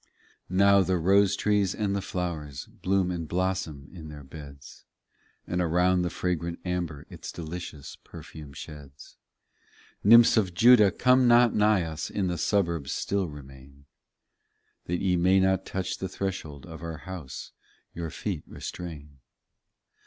1 8 Now the rose trees and the flowers Bloom and blossom in their beds, And around the fragrant amber Its delicious perfume sheds. Nymphs of Juda come not nigh us, In the suburbs still remain ; That ye may not touch the threshold Of our house, your feet restrain.